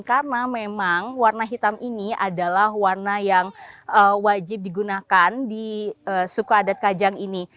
karena memang warna hitam ini adalah warna yang wajib digunakan di suku adat kajang ini